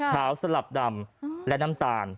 สลับดำและน้ำตาล